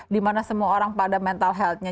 dimana semua orang pada mental healthnya